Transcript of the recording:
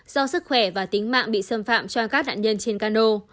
do sức khỏe và tính mạng bị xâm phạm cho các nạn nhân trên cano